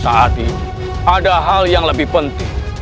saat ini ada hal yang lebih penting